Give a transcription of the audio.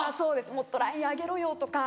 「もっとライン上げろよ」とか。